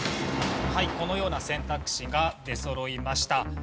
はいこのような選択肢が出そろいました。